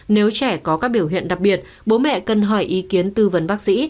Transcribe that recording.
nếu trẻ có các biểu hiện đặc biệt bố mẹ cần hỏi ý kiến tư vấn bác sĩ